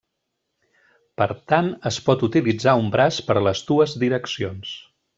Per tant, es pot utilitzar un braç per les dues direccions.